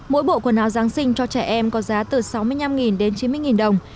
mỗi bộ quần áo giáng sinh cho trẻ em có giá từ sáu mươi năm đến chín mươi đồng